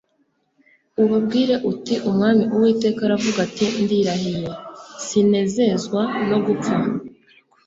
ubabwire uti umwami uwiteka aravuga ati ndirahiye, sinezezwa no gupfa